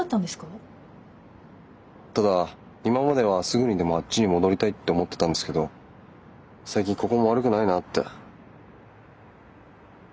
ただ今まではすぐにでもあっちに戻りたいって思ってたんですけど最近ここも悪くないなって。